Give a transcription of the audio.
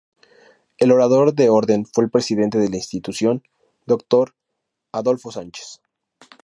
El Orador de Orden fue el presidente de la institución, Dr. Adolfo Sánchez.